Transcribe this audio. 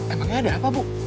emangnya ada apa bu